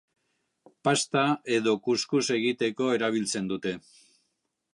Pasta edo kus-kus egiteko erabiltzen dute.